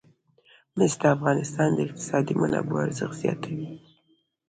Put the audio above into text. مس د افغانستان د اقتصادي منابعو ارزښت زیاتوي.